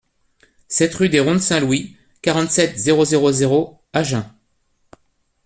sept rue des Rondes Saint-Louis, quarante-sept, zéro zéro zéro, Agen